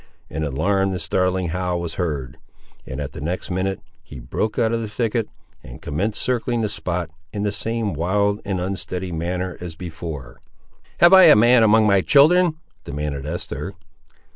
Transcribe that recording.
An alarmed and startling howl was heard, and, at the next minute, he broke out of the thicket, and commenced circling the spot, in the same wild and unsteady manner as before. "Have I a man among my children?" demanded Esther.